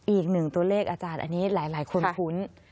อีกหนึ่งตัวเลขอาจารย์อันนี้หลายคนคุ้น